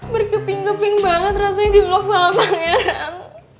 berkeping keping banget rasanya di vlog sama pangeran